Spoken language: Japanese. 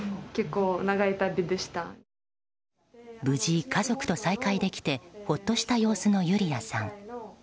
無事、家族と再会できてほっとした様子のユリアさん。